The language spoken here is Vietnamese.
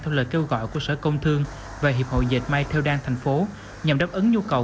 theo lời kêu gọi của sở công thương và hiệp hội dệt may theo đan thành phố nhằm đáp ứng nhu cầu